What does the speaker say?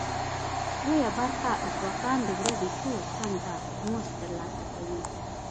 لویه برخه ازبکان د ورځې څو سنټه مزد تر لاسه کوي.